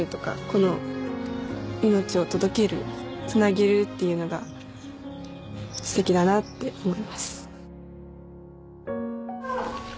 この命を届けるつなげるっていうのがステキだなって思います。